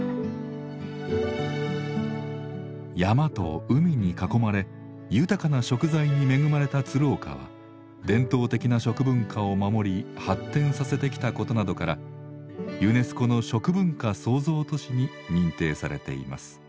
山と海に囲まれ豊かな食材に恵まれた鶴岡は伝統的な食文化を守り発展させてきたことなどからユネスコの食文化創造都市に認定されています。